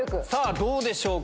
どうでしょうか？